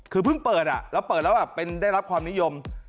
คือเพิ่งเปิดแล้วเปิดแล้วแบบได้รับความนิยม